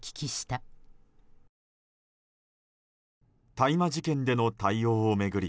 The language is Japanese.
大麻事件での対応を巡り